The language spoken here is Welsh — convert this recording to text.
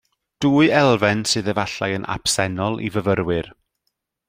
Dwy elfen sydd efallai yn absennol i fyfyrwyr